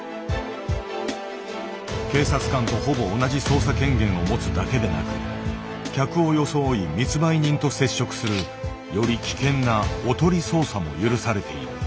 警察官とほぼ同じ捜査権限を持つだけでなく客を装い密売人と接触するより危険なおとり捜査も許されている。